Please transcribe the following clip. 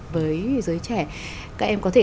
với giới trẻ các em có thể